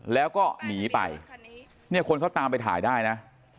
แล้วก็หนีไปเนี่ยคนเขาตามไปถ่ายได้นะ